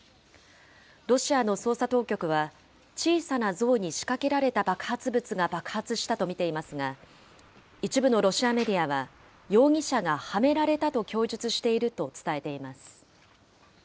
ロシアの捜査当局は、小さな像に仕掛けられた爆発物が爆発したと見ていますが、一部のロシアメディアは、容疑者がはめられたと供述していると伝えています。